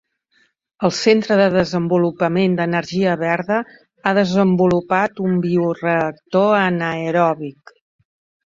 El Centre de Desenvolupament d'Energia Verda ha desenvolupat un bioreactor anaeròbic.